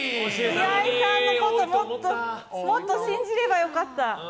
岩井さんのこともっと信じればよかった。